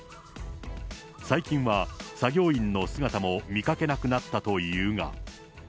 最近は作業員の姿も見かけなくなったというが。